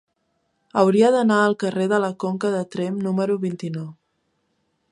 Hauria d'anar al carrer de la Conca de Tremp número vint-i-nou.